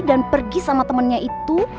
dan pergi sama temennya itu